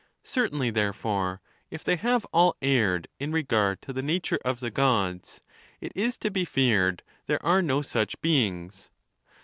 Certainly, therefore, if they have all erred in regard to the nature of the Gods, it is to be feared there are no such beings.